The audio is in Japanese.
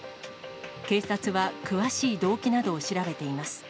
警察は詳しい動機などを調べています。